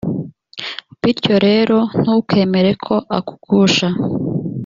bityo rero ntukemere ko akugusha